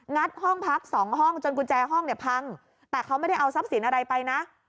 ัดห้องพักสองห้องจนกุญแจห้องเนี่ยพังแต่เขาไม่ได้เอาทรัพย์สินอะไรไปนะ